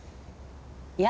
いや。